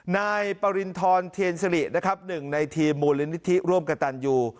นายปริณฑรเทียนสิรินะครับหนึ่งในทีมมูลนิธิร่วมกับตันยู